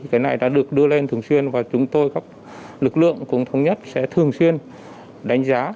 cái này đã được đưa lên thường xuyên và chúng tôi các lực lượng cũng thống nhất sẽ thường xuyên đánh giá